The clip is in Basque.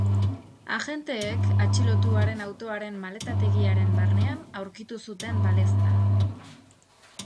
Agenteek atxilotuaren autoaren maletategiaren barnean aurkitu zuten balezta.